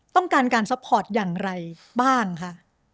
ต้องการการซัพพอร์ตอย่างไรบ้างคะ